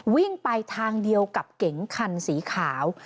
วิ่งไปทางเดียวกับเก๋งคันสีขาว